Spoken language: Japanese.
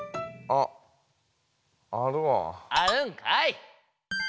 あるんかい！